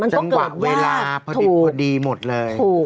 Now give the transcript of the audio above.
จังหวะเวลาพอดีหมดเลย